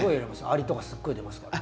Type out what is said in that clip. アリとかすっごい出ますから。